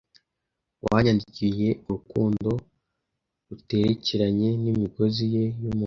wamwandikiye urukundo ruterekeranye n'imigozi ye y'umuhondo